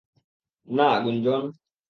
না, গুঞ্জন।